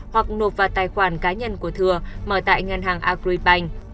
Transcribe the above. hoặc nộp vào tài khoản cá nhân của thừa mở tại ngân hàng agribank